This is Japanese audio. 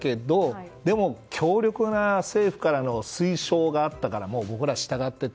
でも、強力な政府からの推奨があったから僕らは従っていて。